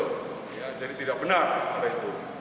jadi tidak benar ada itu